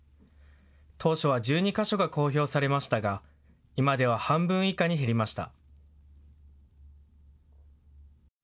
当初は１２か所が公表されましたが今では半分以下に減りました。